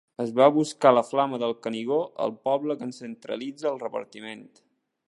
Es va a buscar la flama del Canigó al poble que centralitza el repartiment.